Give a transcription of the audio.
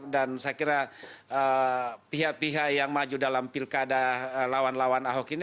dan saya kira pihak pihak yang maju dalam pilkada lawan lawan ahok ini